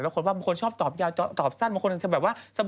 มันมีคนที่สบัดสวิ่งคืออย่าตอบ